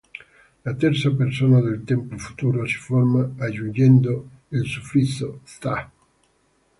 La terza persona del tempo futuro si forma aggiungendo il suffisso "-tha".